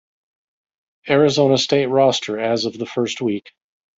Arizona State roster as of the first week.